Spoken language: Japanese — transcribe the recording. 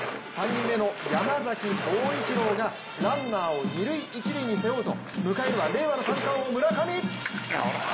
３人目の山崎颯一郎がランナーを二・一塁に背負うと迎えるは令和の三冠王・村上！